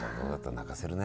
泣かせるね。